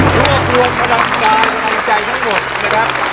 ทั่วประดับดายมั่นใจทั้งหมดนะครับ